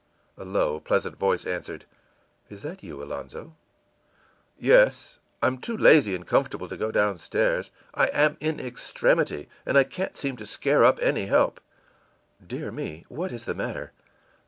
î A low, pleasant voice answered, ìIs that you, Alonzo?' ìYes. I'm too lazy and comfortable to go downstairs; I am in extremity, and I can't seem to scare up any help.î ìDear me, what is the matter?